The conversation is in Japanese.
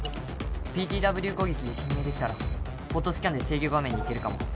ＰＴＷ 攻撃で侵入できたらポートスキャンで制御画面にいけるかも